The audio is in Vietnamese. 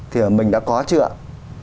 thì mình đã có chưa ạ